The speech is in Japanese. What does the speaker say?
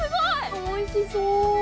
おいしそう。